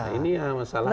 nah ini yang masalahnya